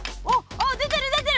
あでてるでてる！